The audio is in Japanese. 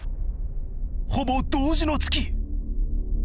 ほぼ同時の突き！